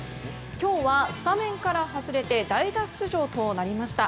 今日はスタメンから外れて代打出場となりました。